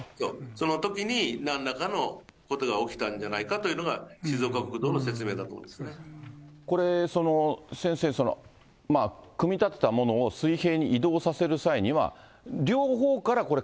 そのときになんらかのことが起きたんじゃないかということがこれその、先生、組み立てたものを水平に移動させる際には、両方からこれ、